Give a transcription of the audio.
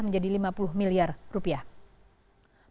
menjadi perpanjangan yang terakhir